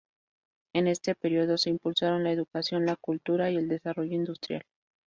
En este periodo se impulsaron la educación, la cultura y el desarrollo industrial.